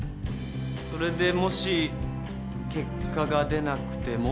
それでもし結果が出なくても。